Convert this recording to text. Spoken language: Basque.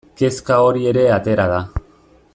Kezka hori ere atera da.